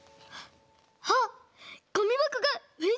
あっごみばこがうえ